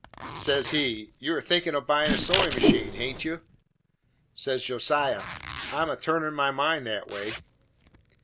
Says he, "You are thinkin' of buyin' a sewin' machine, haint you?" Says Josiah, "I am a turnin' my mind that way."